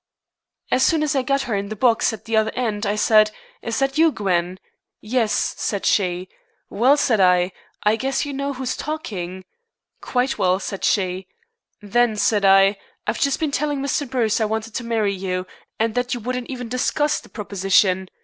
"As soon as I got her in the box at the other end, I said, 'Is that you, Gwen?' 'Yes,' said she. 'Well,' said I, 'I guess you know who's talking?' 'Quite well,' said she. 'Then,' said I, 'I've just been telling Mr. Bruce I wanted to marry you, and that you wouldn't even discuss the proposition.